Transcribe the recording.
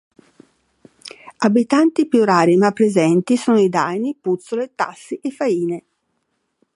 Abitanti più rari ma presenti sono i daini, puzzole, tassi e faine.